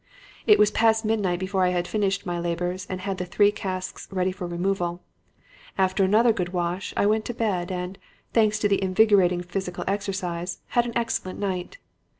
"It was past midnight before I had finished my labors and had the three casks ready for removal. After another good wash, I went to bed, and, thanks to the invigorating physical exercise, had an excellent night.